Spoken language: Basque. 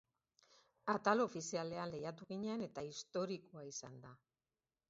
Atal ofizialean lehiatu ginen eta historikoa izan da.